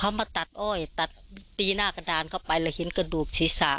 เขามาตัดอ้อยตัดตีหน้ากระดานเข้าไปแล้วเห็นกระดูกศีรษะ